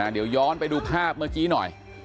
เดี๋ยวย้อนไปดูภาพเมื่อกี้หน่อย